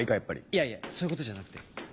いやいやそういうことじゃなくて。